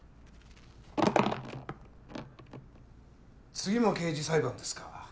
次も刑事裁判ですか。